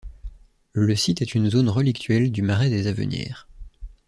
Le site est une zone relictuelle du Marais des Avenières.